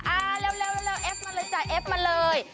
อ่าเร็วเอฟมาเลยจ้ะเอฟมาเลย